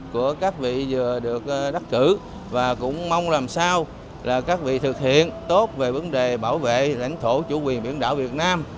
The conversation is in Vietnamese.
của các vị vừa được đắc cử và cũng mong làm sao là các vị thực hiện tốt về vấn đề bảo vệ lãnh thổ chủ quyền biển đảo việt nam